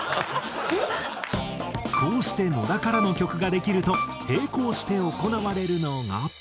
こうして野田からの曲ができると並行して行われるのが。